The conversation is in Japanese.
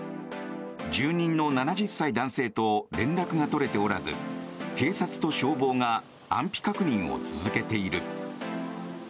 住人の７０歳男性と連絡が取れておらず警察と消防が安否確認を続けている。